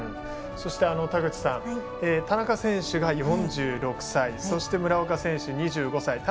そして田口さん田中選手が４６歳そして、村岡選手が２５歳。